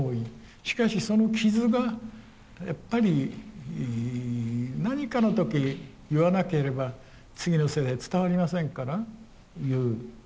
しかしその傷がやっぱり何かの時言わなければ次の世代伝わりませんから言う。